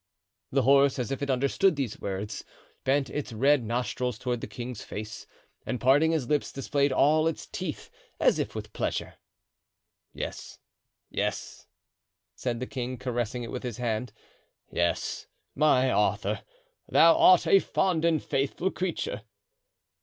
The horse, as if it understood these words, bent its red nostrils toward the king's face, and parting his lips displayed all its teeth, as if with pleasure. "Yes, yes," said the king, caressing it with his hand, "yes, my Arthur, thou art a fond and faithful creature."